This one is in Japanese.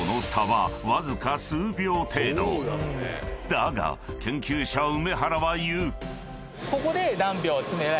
［だが研究者梅原は言う］